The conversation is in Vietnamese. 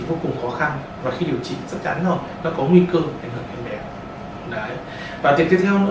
rất là khó khăn và khi điều trị chắc chắn rồi nó có nguy cơ ảnh hưởng đến bé đấy và tiếp theo nữa